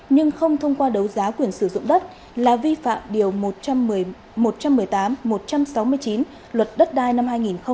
nhưng không thông qua đấu giá quyền sử dụng đất là vi phạm điều một trăm một mươi tám một trăm sáu mươi chín luật đất đai năm hai nghìn một mươi ba